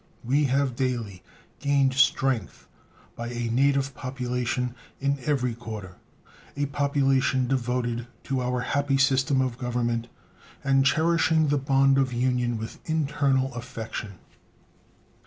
We have daily gained strength by a native population in every quarter a population devoted to our happy system of government and cherishing the bond of union with internal affection.